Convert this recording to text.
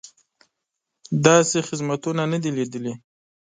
داسې خدمتونه نه دي لیدلي.